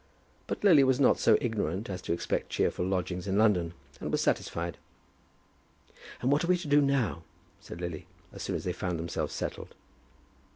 But Lily was not so ignorant as to expect cheerful lodgings in London, and was satisfied. "And what are we to do now?" said Lily, as soon as they found themselves settled.